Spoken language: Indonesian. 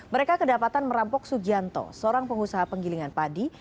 mereka kedapatan merampok sugianto seorang pengusaha penggilingan padi